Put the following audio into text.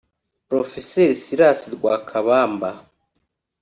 Prof Silas Rwakabamba